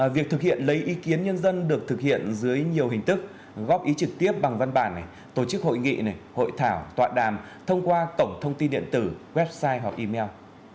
việc thực hiện lấy ý kiến nhân dân được thực hiện dưới nhiều hình thức góp ý trực tiếp bằng văn bản này tổ chức hội nghị hội thảo tọa đàm thông qua cổng thông tin điện tử website hoặc email